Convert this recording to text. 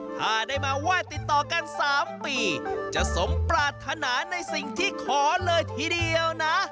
ถ้าได้มาไหว้ติดต่อกัน๓ปีจะสมปรารถนาในสิ่งที่ขอเลยทีเดียวนะ